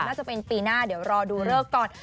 น่าจะเป็นปีหน้าเดี๋ยวรอดูเลิกก่อน